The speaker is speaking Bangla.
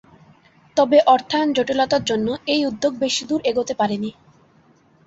তবে অর্থায়ন জটিলতার কারণে এই উদ্যোগ বেশি দূর এগোতে পারেনি।